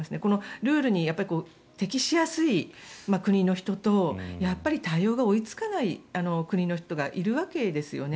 ルールに適しやすい国の人とやっぱり対応が追いつかない国の人がいるわけですよね。